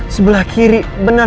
sebelah kiri beneran